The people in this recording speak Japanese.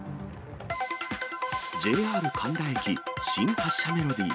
ＪＲ神田駅新発車メロディー。